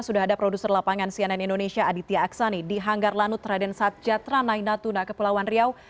sudah ada produser lapangan cnn indonesia aditya aksani di hanggarlanut raden satja tranai natuna kepulauan riau